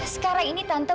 sekarang ini tante